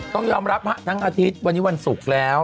ต้องยอมรับทั้งอาทิตย์วันนี้วันศุกร์แล้ว